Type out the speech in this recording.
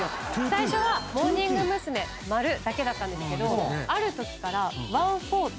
最初はモーニング娘丸だけだったんですけどあるときから’１４っていう。